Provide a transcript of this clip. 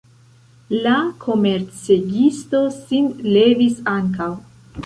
La komercegisto sin levis ankaŭ.